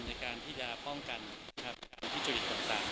ในการที่จะฟังกันให้จุดอีกต่อต่าง